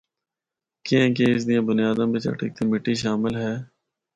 کیّاںکہ اس دیاں بنیاداں بچ اٹک دی مٹی شامل ہے۔